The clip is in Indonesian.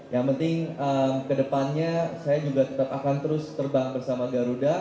yang penting kedepannya saya juga tetap akan terus terbang bersama garuda